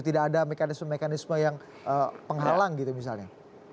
tidak ada mekanisme mekanisme yang penghalang gitu misalnya